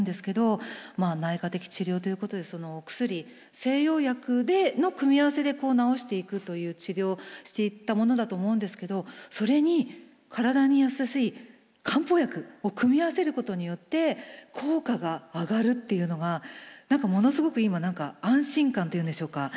内科的治療ということでお薬西洋薬での組み合わせで治していくという治療していったものだと思うんですけどそれに体にやさしい漢方薬を組み合わせることによって効果が上がるっていうのがものすごく今安心感っていうんでしょうか。